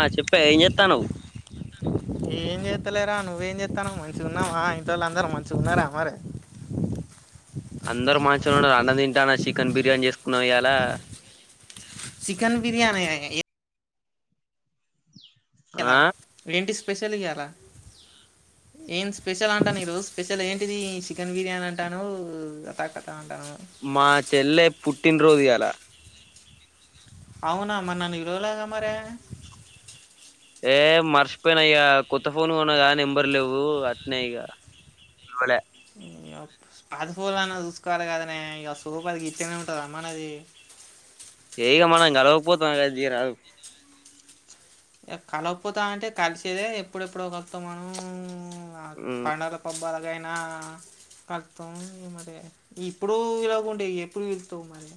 ఆ చెప్పే ఏం చేత్తానవ్ ఏం చేత్తాలేదు రా నువ్వు నువ్వు ఏం చెత్తున్ మంచిగా ఉన్నావా ఇట్ వాళ్ళు అందరూ మంచిగా ఉన్నారా మరి అందరు మంచిగున్నారు అన్న తింటానా చికెన్ బిర్యానీ చేసుకున్నామ్ ఈయాల చికెన్ బిర్యానీయా ఎలా ఆ ఏంటి స్పెషల్ ఈయాల ఏం స్పెషల్ అంటాను ఈ రోజు స్పెషల్ ఏంటిది చికెన్ బిర్యానీ అంటానావ్ అతా కాటా అంట మా చెల్లె పుట్టినరోజు ఈయ్యాల అవునా మరి నన్ను ఇలవలే గా మరే ఏ మర్చిపోయినా ఇగా కొత్త ఫోన్ కొన్నా నెంబర్ లేవు అట్నే ఇగా అవులే పద్ పూలనా చూసుకోవాలి కదనే ఇ సోఫదికి ఇచ్చనే ఉంటంది రమ్మాన్ది. ఏ ఇగా గలవక పోతామా తీరాదు కలపోతా అంటే కలిసేదే ఎప్పుడెప్పుడో కలుస్తాం మనం ఆ మ్ పండగల పబ్బాలకు గైనా కతం మరి ఇప్పుడు ఇలాగండే ఎప్పుడు పిలుత్తావు మరి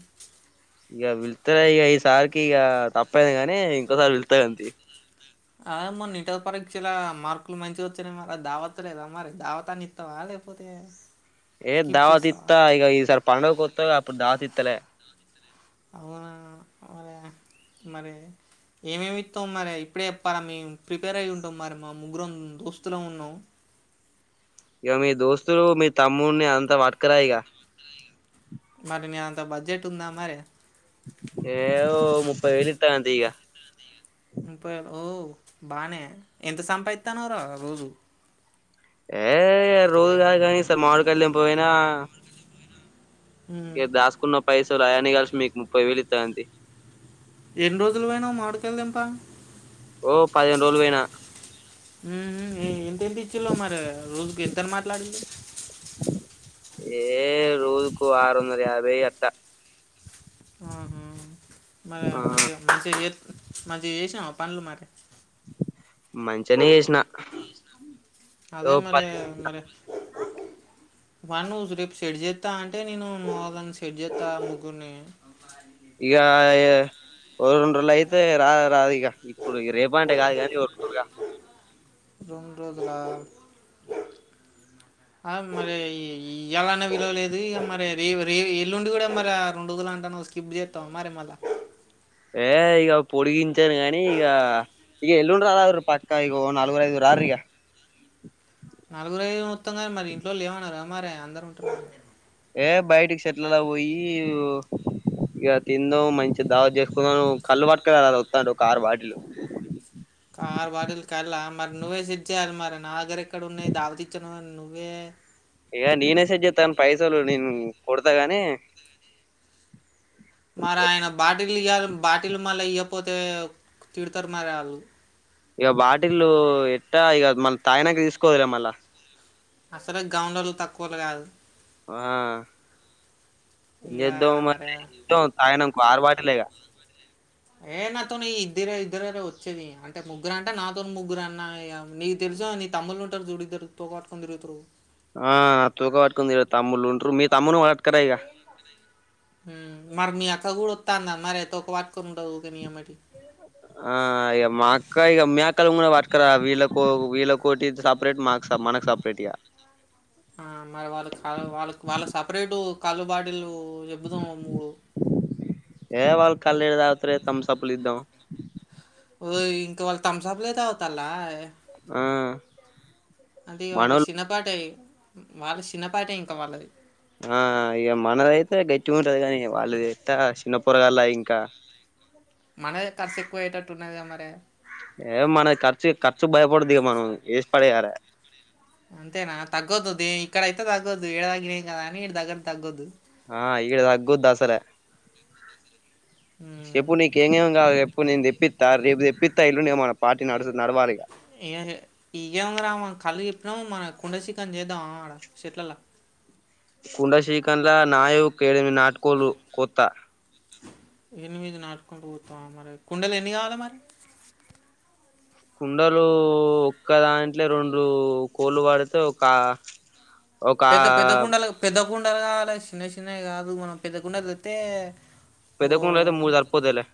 ఇగా పిలిస్తేరే ఇగా ఈ సారికి ఇక తప్పైంది గానీ ఇంకోసారి వెళ్తాయి అడి అద మొన్న ఇంటర్ పరీక్షల మార్కులు మంచిగా వచ్చాయయి మరి దావతలేదా మరి దావత అని ఇస్తావా చెప్పుతే ఏ దావతిత్తా ఇగ ఈసారి పండడుగ కొత్త అప్పుడు దావత్ ఇత్తలే అవునా మరి మరి ఏమేమిత్తవ మరి ఇప్పుడే చెప్ పలా మేము ప్రిపేర్ అయి్య ఉంటాం మరి మా ముగ్గురు దోస్తులామ్ ఉన్నాం ఇగ మీ దోస్తులు మీ తమ్మని అంత పట్టుకరాయిగా మరి నీ అంత బడ్జెట్ ఉందా మరి ఏవో ముప్పై వేలు ఇత్త గాని తీఇగ ముప్పై వేలు ఓహ బానే ఎంత సంపాదిస్తాను రా రోజు ఏ రోజ కనీసం మామిడి కాయలు తెంపబోయిన ఉమ్, ఇ దాసుకున్న పైసలు ఆయన్ని కలిపి మీకు ముప్పై వేలు ఇస్త అంతే ఎన్ని రోజులు పోయినా మామిడికాయలు తెంప ఓహ పదిహేను రోజులు పోయినా ఎంతెంత ఇచ్చిండ్రు మరి రోజుకి ఎంతని మాట్లాడిండ్రు ఏ రోజుకు ఆరు వందల యాభై అట్ట ఆహ మరి ఆ మంచిగా మంచిగా మంచిగా చేసినాం పన్లు మరి మంచిగ నే చేసిన ఓ అదే మరి పది మరి వా నువ్వు రేపు సెట్ చేస్తా అంటే నేను మని చెషడ్ చేస్తా ముగ్గురిని ఇగా ఒక రెండు రోజులు అయితే రా రాదు ఇక ఇప్పుడు రేపు అంటే కాదు కానీ రరా రెండు రోజుల అ మరి ఎలానే విలువలేదుక మరి రేవ ఎల్లుండి కూడా మరి ఆ రెండు రోజుల అంటాను్ స్కిప్ చేస్తాం మరి మళ్ళ ఏ ఇక పొడిగించాను కాగానీ ఇక ఇక ఎల్లుండ రాదా పక్కా ఇక నలుగురు ఐదు రండి యః నలుగు ఐదుగురు వ త్తం కానీ మరి ఇంట్లో వాళ్ళు లేమన్నారు మరి అందరు ఉంటున్నారు ఏ బయటికి చెట్లలా పోయి ఇక తింద మంచి దావా చేసుకున్నాను కల్లుఅ పట్టుకర ఒక ఆరు బాటిళ్లు కారు వాటిల కల్లా మరి నువ్వే సెట్ చేయాలి మరి నా దగ్గర ఎక్కడ ఉన్నాయి దావతచ్చను నువ్వే ఇక నేనే సెట్ చేస్తా కానీ పైసలు నేను కొడతాగాని మరి ఆయన బాటిలు ఇ బాటిలు మళ్ అయ్య పోతే తిడతారు మరి వాళ్ళు ఇక బాటిలు ఇస్తా ఇక మన తాగనాకి తీసుకోదులే మళ్ళా అసలు గౌన్లోలు తక్కువలు కాదు ఏం ఇక మరి చేద్దామరి తాగినంక ఇంకో ఆరు బాటిల్ లే ఇగ ఏ నాతో న ఇద్దరే ఇద్దరే వచ్చేది అంటే ముగ్గురు అంటే నాతో ముగ్గురు అన్నా నీకు తెలుసు మీ తమ్ముళ్లు ఉంటారు చూడు ఇద్దరు తోక పట్టుకొని తిరుగుతుంటారు ఆ తూక పట్టుకుంది తమ్ములు ఉంటారు మీ తమ్మును వాటుకరాాయిగా హమ్ మరి మీ అక్క కూడా వస్తాన్నారు మరి తోక పట్టుకొని ఉంటుంది ఊకే నీ అమ్మటి ఆ అయ మా అక్క కా ఇక మీ అక్క ను కూడా వాట్కరా వీళ్ళ వీళ్ళ కోటి సపరేట్ మాకు మనకు సపరేట్ గా ఆ మరి వాళ్ళ వాళ్ళ వాళ్ళ సపరేటు కళ్ళ బాటిల్ ఏ వాళ్ళ కల్లు ఏడ దా తరే తమ్సప్పులిద్దాం ఓ ఇంక వాళ్ళు తమ్సప్ లే తాగుతాల్లా ఆ అది వాళ్ళ మనోళ్ళు చిన్నపాటయి వాళ్ళ చిన్నపాటే ఇంక వాళ్ళది ఆ ఇగ మనదైతే గట్టిగా ఉంటది గానీ వాళ్ళది ఎట్టా చిన్న పొరగాల్లా ఇంకా లైకో పోయేటట్టు ఉన్నదిగా మరే ఏ మన ఖర్చు ఖర్చు భయపడదు ఇగ మనం ఏసి పడేయాల అంతేనా తగ్గద్దు దే ఇక్కడైతే తగ్గొద్దు ఏడ తగ్గినయి కదా అని ఈడ తగ్గట్టు తగ్గద్దు ఆ ఇక్కడ తగ్గుద్దసలే ఉమ్, షెప్పు నీకు ఎంగేం గావాల ప్పు నేను దెప్పిత్తా రేపు దెప్పిత్తా ఎల్లుండి ఇగ మన పార్టీ నడుసు నడవాలి ఇగ [unintelligible] ఇయ్యంగురా మన కల్లు చెప్పినాము మన కుండ సికన్ చేద్దామా ఆడ చెట్లల్లా కుండ షికన్ ల నాయు కేడెనిమి నాటుకోల్లు కోత్తా ఎనిమిది నాటు కోళ్ళు కోత్తావా మరి కుండలు ఎన్ని కావాల మరి కుండలు ఒక్క దాంట్లో రెండు కోళ్ళు పడితే ఒక ఒక పెద్ద పెద్ద కుండలు పెద్ద కుండలు గావాలె చిన్న చిన్నవి గాదు మనం పెద్ద కుండలు తెత్తే పెద్ద ఓ కుండలో అయితే మూడు సరిపోతాయిలే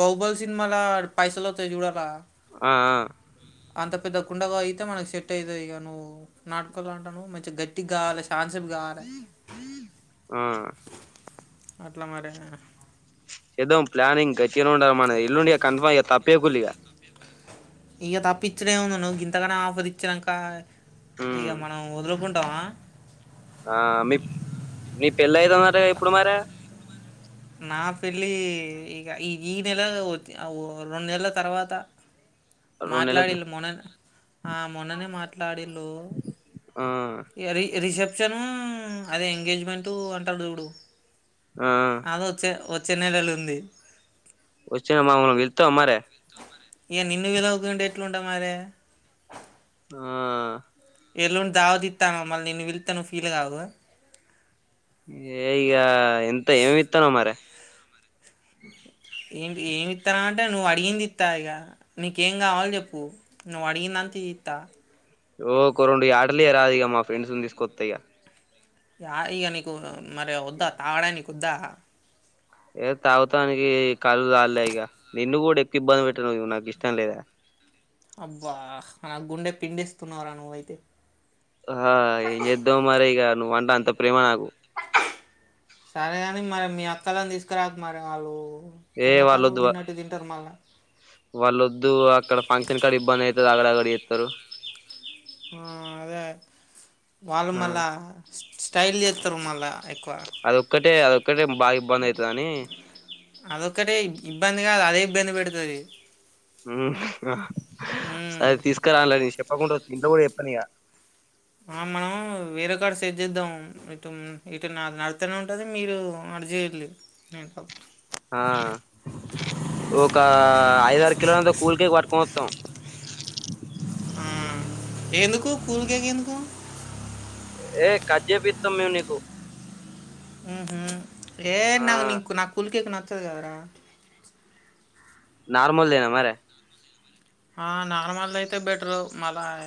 బహుబల్ సినిమా ల పైసలోత్తాయి జూడు అలా ఆ ఆ కుండాగా అయితే మనకు సెట్ ఐతదిగ నువ్వు నాటుకోల్లు అంటానావ్ మంచిగ గట్టిగ్గావాలె టాన్సిప్ గావాలె ఆ అట్లా మరి షేద్దాం ప్లానింగ్ గట్టిగనే ఉండాలి మనది ఎల్లుండి ఇగ కన్ఫామ్ ఇగ తప్పేకుల్లి ఇగ ఇగ తప్పిచ్చుడేముంది నువ్వు గింతగన ఆఫర్ ఇచ్చినంక ఇగ ఉమ్ మనం వదులుకుంటాం ఆ మీ మీ పెళ్ళైతు మరే ఇప్పుడు మారే నా పెళ్ళి ఇగ ఈ ఈ నెల [unintelligible] రెండు నెలల తర్వాత రెండు నెల మాట్లాడిళ్ళు మొన ఆ మొన్ననే మాట్లాడిళ్ళు ఆ ఇగ రి రిసెప్షను అదే ఎంగేజ్మెంటు అంటాడు జూడు ఆ అదొచ్చే వచ్చే నెలలుంది వచ్చిన మమ్మల్ని పిలుత్తావా మరి ఇగ నిన్ను పిలువకుంటే ఎట్లుంటా మరె ఆ ఎల్లుండి దావత్ ఇత్తానావ్ మల్లి నిన్ను పిలిత్తే నువ్ ఫీల్ గావా ఏ ఇగ ఎంత ఏమిత్తానావ్ మరి ఏంటి ఏమిత్తానావ్ అంటే నువ్వు అడిగింది ఇత్తా ఇగ నీకేం గావాల జప్పు నువ్వు అడిగిందా దానికి దీత్తా ఓ ఓక్క రెండు యాటలియ్యరాదు ఇగ మా ఫ్రెండ్సును తీసుకొత్తా ఇయ యా ఇయ నీకు మరి వద్దా తావడానికి వద్దా ఏ తాగుతానికి కల్లు జాల్లే ఇగ నిన్ను గూడె కిబ్బంది పెట్ట నువ్ నాకు ఇష్టం లేదే అబ్బా నా గుండె పిండిస్తున్నావురా నువ్వైతే ఆ ఏం జేద్దాం మరి ఇగ నువ్వంటే అంత ప్రేమ నాకు సరేగానీ మరి మీ అక్కలని తీసుకురాకు మరి ఆళ్ళు ఏ కుంభకర్ణులు వాళ్ళొద్దు వా- తిన్నట్టు తింటారు మళ్ళా వాళ్ళొద్దు అక్కడ ఫంక్షన్ కాడ ఇబ్బంది ఐతుది ఆగడ ఆగడ జేత్తారు ఆ అదే వాళ్ళు ఆ మళ్ళా స్ స్టైల్ చేత్తరు మళ్ళా ఎక్కువ ఆ అదొక్కటే ఇబ్ ఇబ్బంది కాదు అదే ఇబ్బంది పెడుతది ఊమ్ సరే తీస్కరాన్ లే నీక్ షెప్పకుండా వస్ ఇంట్లో కూడా చెప్పను ఇగ ఆ మనం వేరే సోట చేద్దాం ఇటు మ్ ఇటు నా నడుత్తనే ఉంటది మీరు జెయ్యట్లేదు ఏంటో ఆ ఒక ఐదారు కిలోలంతా కూల్ కేక్ పట్టుకో వొత్తాం ఆ ఎందుకు కూల్ కేక్ ఎందుకు ఏ కట్ జేపిత్తాం మేం నీకు ఊహు ఏ ఆ నాకు నీ నా కూల్ కేక్ నచ్చదు కదరా నార్మల్ దేనా మరె ఆ నార్మల్ దైతే బెట్రు మళ్ళా ఆ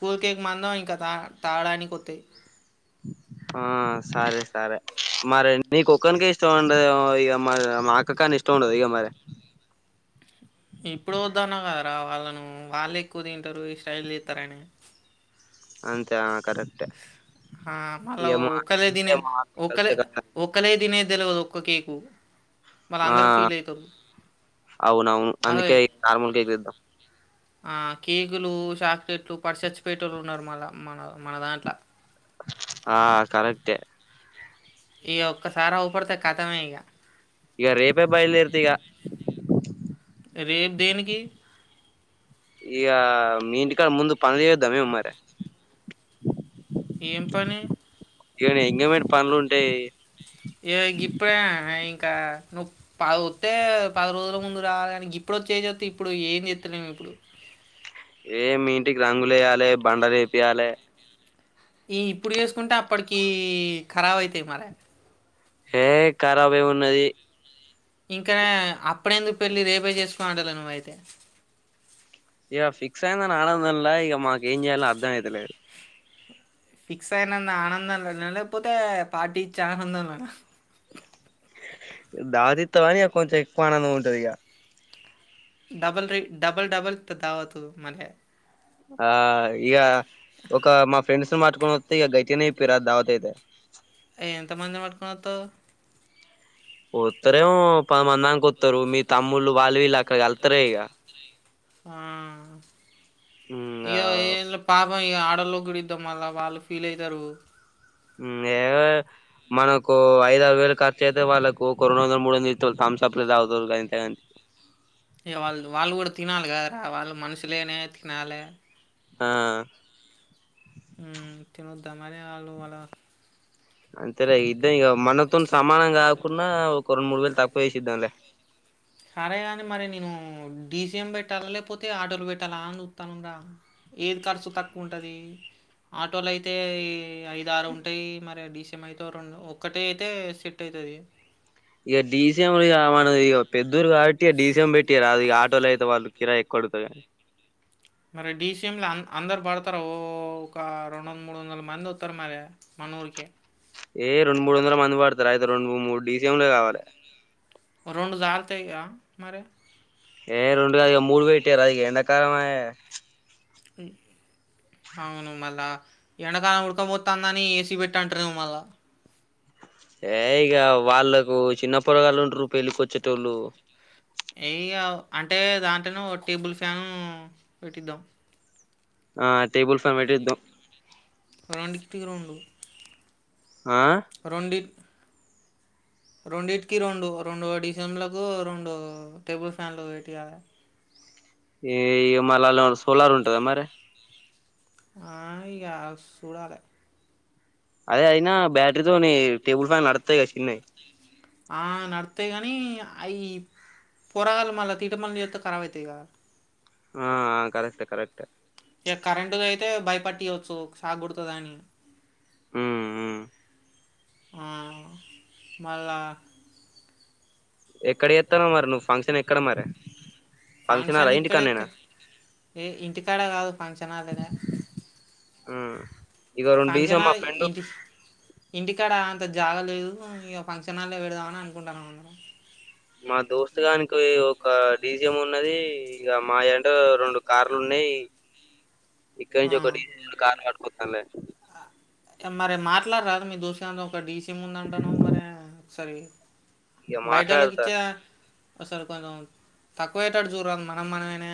కూల్ కేక్ మందం ఇంకా తా తాగడానికి ఒత్తి ఆ సరే సరే మరి నీ కొక్కనికే ఇష్టం ఉండే ఇక మరి మా అక్క కని ఇష్టం ఉండదు ఇగ మరి సి ఇప్పుడు వద్దన్నా కదరా వాళ్ళను వాళ్ళు ఎక్కువ తింటరు ఈ స్టైల్ చేత్తరని అంతే ఆ కరెక్టే హా మళ్ళా ఇగ మా ఒకలే తినే అంతే ఒక్కలే కదా ఒకలే తినే తెల్వదు ఒక్క కేకు మళ్ళీ ఆ అందరూ ఫీల్ అవుతారు అవును అవును అదే అందుకే ఇ నార్మల్ కేక్ తెద్దాం ఆ కేకులు చాక్లెట్లు పడి సచ్చిపేటోళ్ళు ఉన్నారు మళ్ళ మన మన దాంట్ల ఆ కరెక్టే ఈ ఒక్కసారి ఔపడితే ఖథమే ఇక ఇగ రేపే బయల్దేర్తా ఇగ రేప్ దేనికి? ఇక మీంటికాడ ముందు పనులు చేయద్దా మేము మరి ఏం పని? ఇవన్ని ఎంగేమంట్ పనులు ఉంటాయ్ ఏ గిప్పుడే ఇంకా నువ్ పా వత్తే పది రోజుల ముందు రావాలి గాని గిప్పుడ్ ఇప్పుడు వచ్చి ఏం చేేత్తవ్ ఇప్పుడు ఏం చేత్తలేం ఇప్పుడు ఏ మీ ఇంటికి రంగులు ఎయ్యాలి బండలు వేపియాలె ఈ ఇప్పుడు వేసుకుంటే అప్పటికి ఖరాబ్ అయితాయి మరె ఏ ఖరాబు ఏమున్నది? ఇంకా అప్పుడెందుకు పెళ్ళి రేపే చేసుకు అంటాలే నువైతే ఇక ఫిక్స్ అయింది ఆనందం లా ఇక మాకు ఏం చేయల్నా అర్థం అయితలేదు ఫిక్స్ అయినంత ఆనందం లోనా లేక్పోతే పార్టీ ఇచ్చే ఆనందం లేనా దావత్ ఇత్తావని కొంచెం ఎక్కువ ఆనందం ఉంటది ఇగ డబల్ రీ డబల్ డబల్ త్ దావతు మళ్లే ఆ ఇక ఒక మా ఫ్రెండ్స్ ను పట్టుకొని వత్తే ఇక గజని పిరా ధావత్ ఐతే ఎంతమందిని పట్టుకొని వత్తావ్? వత్తరేమో పదిమందానికి వత్తరు మీ తమ్ముళ్ళు వాళ్ళు వీళ్ళు అక్కడ కలుత్తారే ఇక హ్మ్మ్ ఇంగా ఇగా ఏ లే పాప ఇ అడోల్లగుడిద్డం మళ్ళ వాళ్ళు ఫీల్ అవుతారు ఏ మనకు ఐద ఆరు వేలు కర్ యితే వాళ్ళకు కొరోనా వ మడ ఇ తంసుప్లు తాగుతారు గంతేగని ఏ వాళ్ళు వాళ్ళు కూడా తినాలి కదరా వాళ్ళు మనుషులేనయే తినాలే ఆ హ్మ్మ్ తినొద్దామరీ వాళ్ళు వాళ్ళ అంతేలే ఇద్దం ఇక మనతో సమానంగా కాకుండా ఒక రెండు మూడు వేలు తక్కువ చేసిద్దాంలే సరే అని మరి నేను డీసీఎం పెట్టాలా లేకపోతే ఆటోలు పెట్టాలా అని సుత్తనం రా ఏది ఖర్చు తక్కువ ఉంటది అ ఆటోలు అయితే ఈ ఐద ఆరు ఉంటాయి మరి డిసీఎం అయితే రెండు ఒక్కటి అయితే సెట్ అయి ది ఇక డిసీఎం మనది పెద్దరు కాబట్టి డిసీఎం పెట్టియ రాదు ఆటోలు అయితే వాళ్ళు కిరాయి ఎక్కువ అడుగుతది కానీ మరి డీసీఎం ల అందరు పడతారు ఓ ఒక రెండు వందల మూడు వందల మంది వస్తారు మరి మన ఊరికి ఏ రెండు మూడు వందల మంది పడతారు అయితే రెండు మూడు మూడు డిీసీఎంలే కావాలే రొండు సాల్తాయి గా మరి ఏ రెండు కాదు మూడు పెట్టియ్యారాదు ఇగ ఎండాకాలం అయే అవును మళ్ళా ఎండాకాలం ఉడకబోతుందని ఏసీ పెట్టుంటారు ఏమో మళ్ళ ఏ ఇగా వాళ్ళకు చిన్న పొరగాళ్లు ఉంట్ర పెళ్ళికిొచ్చేటోళ్ళు ఏ ఇగ అంటే దాంట్లనే ఓ టేబుల్ ఫ్యాను పెట్టిద్దాం ఆ టేబుల్ ఫ్యాన్ పెట్టిద్దాం రొండిటికి రెండు ఆ రోండిత్ రెండింటికి రెండు రెండు డి సి ఎం లకు రెండు టేబుల్ ఫ్యాన్లు వెట్టియ్యలే ఈ ఇగ మళ్ళ అల్లా ఏం సోలార్ ఉంటద మరే ఆ ఇగా సుడాలే అదే అయినా బ్యాటరీతోనీ టేబుల్ ఫ్యాన్ నడుతయ్యు గాదా సిన్నై అస్తయి కానీ అ పోరాగాలు మళ్ళా తీట పనులు చెత్తే కరబ్ అవుతాయి కదా ఆ కరెక్ట్ కరెక్ట్ ఇక కరెంటు అయితే భయపట్య్వచ్చు షాక్ కోడుతుంది అని హ్మ్మ్ హ్మ్మ్ హ్మ్మ్ మళ్ళ ఎక్కడ చెత్తనవ్ మరి నువ్వు ఫంక్షన్ ఎక్కడ మరే ఫంక్క్షన్ ఇక్కడ క్క ఏ ఇంటికాడ కాదు ఫంక్షన్ హాల్ లానే ఉమ్ ఇగో రెండు డీజే మా ఫంక్షన్హాల్ ఫ్రెండ్ ఇంటి ఇంటికాడ అంత జాగలేదు ఇక ఫంక్షన్ల్లోే పెడదామని అనుకుంటున్నాం అందరం మా దోస్తుగానికి ఒక డీసిఎం ఉన్నది ఇంకా మా అంటే ఏంటో రెండు కార్లు ఉన్నాయి హ్మ్మ్ ఇక్కడ నుంచి ఒకటి కార్ కట్టుకస్తాండి మరి మాట్లాడరాదు మీ దోస్తుగంది ఒక డీసీఏం ఉంది అంటున్నావ్ మరి ఒకసరి ఇగ మాట్లాడతా బయడాలోకిచా సారి కొంచెం తక్కువేటడు చూడనా మనం మనమనే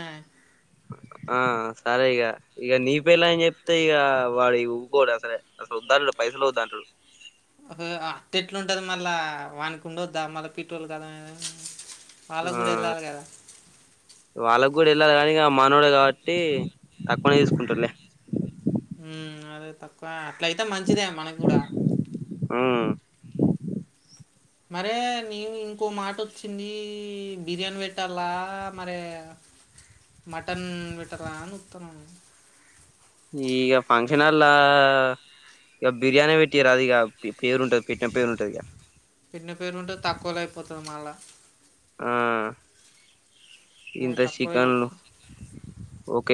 ఆ సరే ఇక ఇక నీ పిల్లని చెప్తే ఇక వాడు వ్కోడు అసలేే అసలు ఉద్ద పైసలు వద్దంటాడు అట్ ఎట్లుంటది మళ్ళా వాకుండ వద్దా మళ్ళా పెట్రోల్ కదా ఆ వాళ్ళకు కూడా వెళ్ళాలి కదా వాళ్ళకి కూడా వెళ్ళాలి కాని మానవడు కాబట్టి తక్కువనే తీసుకుంటలే ఉమ్ అదే తక్కువ అట్లయితే మంచిదే మనకు కూడా ఉమ్ మరే నేను ఇంకో మాట వచ్చింది బిర్యానీ పెట్టాలా మరి మటన్ పెట్టరా చూస్తున్నాను ఈగ ఫంక్షన్ అలా ఇ బిర్యానీ పెట్టరా అది పేరు ఉంటుంది పెట్టం పేరుంటుంది ఇక పిన్న పేరు ఉంటే తక్కువలో అయిపోతుంది మళ్ళా ఆ ఇంత తక్కువ చికెన్లు అయిపోతుంది ఓక